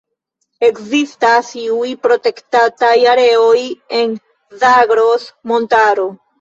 Ekzistas iuj protektataj areoj en Zagros-Montaro.